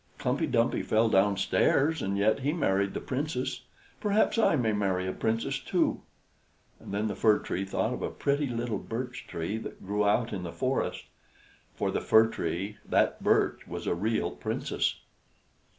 Klumpey Dumpey fell downstairs and yet he married the Princess. Perhaps I may marry a Princess too?" And then the Fir Tree thought of a pretty little Birch Tree that grew out in the forest: for the Fir Tree, that Birch was a real Princess.